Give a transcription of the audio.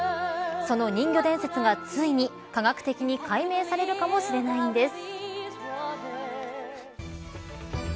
その人魚伝説がついに科学的に解明されるかもしれないんです。